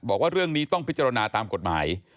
บอกว่าเรื่องนี้ต้องพิจารณาตามกฎหมาย